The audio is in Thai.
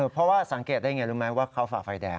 เพราะว่าสังเกตได้อย่างไรรู้ไหมว่าเขาฝ่าไฟแดง